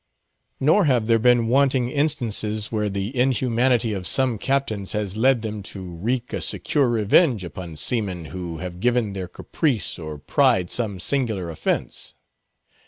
Nor have there been wanting instances where the inhumanity of some captains has led them to wreak a secure revenge upon seamen who have given their caprice or pride some singular offense.